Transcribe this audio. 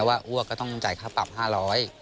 ว่าอ้วกก็ต้องจ่ายค่าปรับ๕๐๐บาท